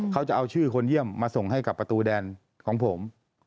เขาจะเอาชื่อคนเยี่ยมมาส่งให้กับประตูแดนของผม